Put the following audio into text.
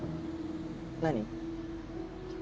何？